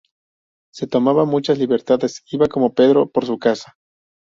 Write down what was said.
Se tomaba muchas libertades. Iba como Pedro por su casa